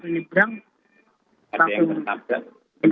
ada yang menabrak kendaraan lain